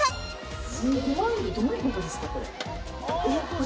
すごい。どういうことですか、これ。